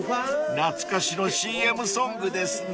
［懐かしのＣＭソングですね］